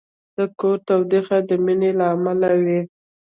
د کور تودوخه د مینې له امله وي.